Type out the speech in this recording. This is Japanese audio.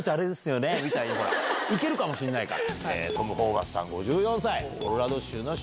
行けるかもしれないから。